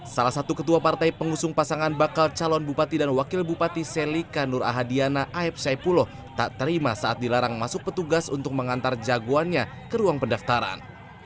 salah satu ketua partai pengusung pasangan bakal calon bupati dan wakil bupati selika nur ahadiana aeb saipulo tak terima saat dilarang masuk petugas untuk mengantar jagoannya ke ruang pendaftaran